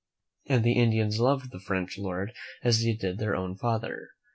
And the Indians loved the French lord as they did their own father.